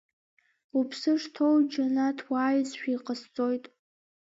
Уԥсы шҭоу џьанаҭ уааизшәа иҟасҵоит.